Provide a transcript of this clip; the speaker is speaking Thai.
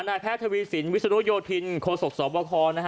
นายแพทย์ทวีสินวิศนุโยธินโคศกสวบค